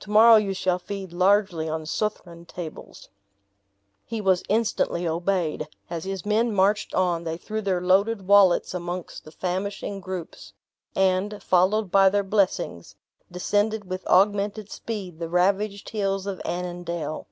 To morrow you shall feed largely on Southron tables." He was instantly obeyed. As his men marched on, they threw their loaded wallets amongst the famishing groups; and, followed by their blessings, descended with augmented speed the ravaged hills of Annandale.